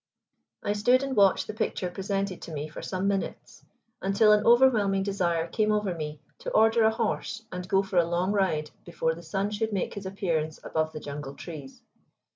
I stood and watched the picture presented to me for some minutes, until an overwhelming desire came over me to order a horse and go for a long ride before the sun should make his appearance above the jungle trees.